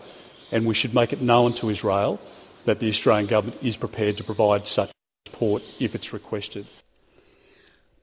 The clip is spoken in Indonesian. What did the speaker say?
dan kita harus membuatnya diketahui kepada israel bahwa kepala kepala perintah australia siap untuk memberikan pertolongan jika diperintahkan